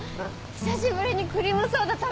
久しぶりにクリームソーダ食べたいかも。